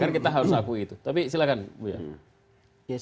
kan kita harus akui itu tapi silakan bu yaak